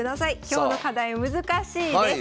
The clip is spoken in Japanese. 今日の課題難しいです。